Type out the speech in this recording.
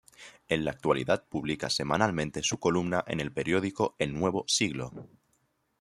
En la actualidad publica semanalmente su columna en el periódico El Nuevo Siglo.